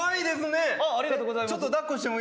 ありがとうございます。